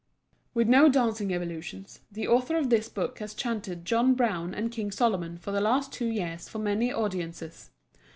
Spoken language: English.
With no dancing evolutions, the author of this book has chanted John Brown and King Solomon for the last two years for many audiences.